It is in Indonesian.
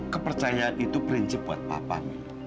kepercayaan itu prinsip buat papan